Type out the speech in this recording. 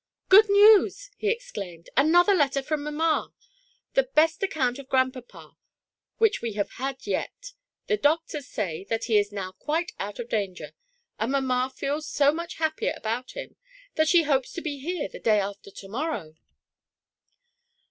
"Good news!" he exclaimed; "another letter from mamma ! The best account of grandpapa which we have yet had ! The doctors say that he is now quite out of danger, and mamma feels so much happier about him, that she hopes to be here the day after to morrow."